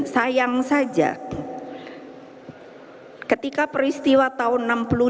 sayang saja ketika peristiwa tahun seribu sembilan ratus enam puluh dua